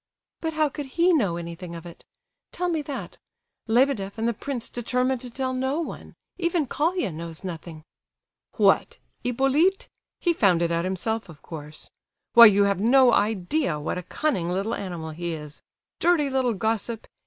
"But how could he know anything of it? Tell me that. Lebedeff and the prince determined to tell no one—even Colia knows nothing." "What, Hippolyte? He found it out himself, of course. Why, you have no idea what a cunning little animal he is; dirty little gossip!